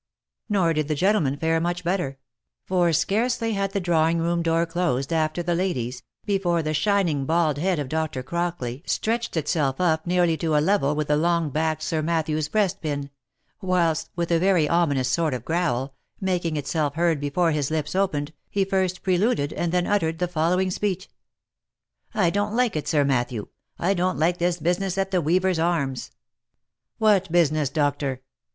Nor did the gentlemen fare much better ; for scarcely had the drawing room door closed after the ladies, before the shining bald head of Dr. Crockley stretched itself up nearly to a level with the long backed Sir Matthew's breast pin, whilst, with a very ominous sort of growl, making itself heard before his lips opened, he first preluded, and then uttered the following speech. " I don't like it, Sir Matthew. — I don't like this business at the "Weavers' Arms." " What business, Doctor